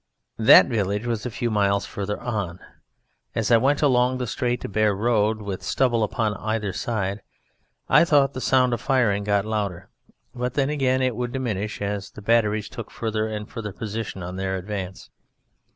That village was a few miles further on. As I went along the straight, bare road, with stubble upon either side, I thought the sound of firing got louder; but then, again, it would diminish, as the batteries took a further and a further position in their advance.